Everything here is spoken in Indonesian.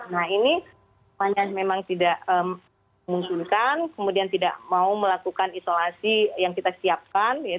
nah ini memang tidak memungkinkan kemudian tidak mau melakukan isolasi yang kita siapkan